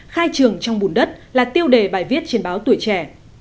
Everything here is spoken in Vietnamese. khai trường trong bùn đất là tiêu đề bài viết trên báo tuổi trẻ